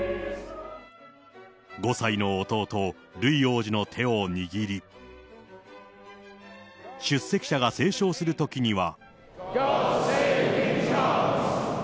５歳の弟、ルイ王子の手を握り、出席者が斉唱するときには。